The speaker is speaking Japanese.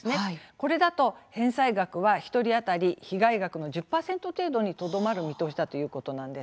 これだと返済額は１人当たり被害額の１０％程度にとどまるという見通しなんです。